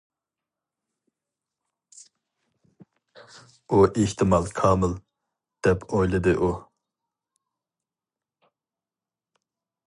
«ئۇ ئېھتىمال كامىل» دەپ ئويلىدى ئۇ.